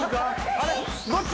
あれっどっち？